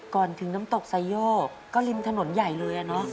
ก่อนถึงน้ำตกไซโยกก็ริมถนนใหญ่เลยอะเนาะ